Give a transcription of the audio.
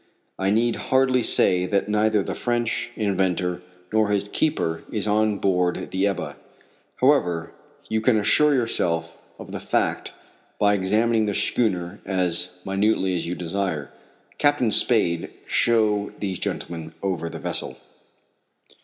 I need hardly say that neither the French inventor nor his keeper is on board the Ebba. However, you can assure yourself of the fact by examining the schooner as minutely as you desire. Captain Spade, show these gentlemen over the vessel."